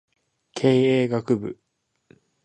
経営学部